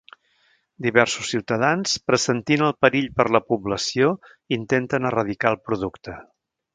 Diversos ciutadans, pressentint el perill per la població, intenten erradicar el producte.